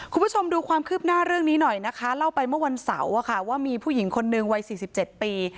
คุณผู้ชมดูความคืบหน้าเรื่องนี้หน่อยนะคะเล่าไปเมื่อวันเสาร์ว่ามีผู้หญิงคนนึงวัย๔๗ปี